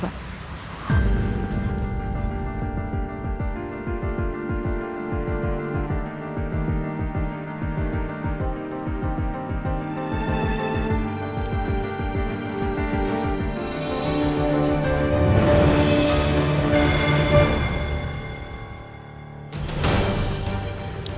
baik permisi pak